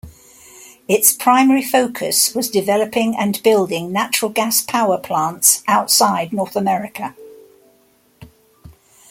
Its primary focus was developing and building natural gas power plants outside North America.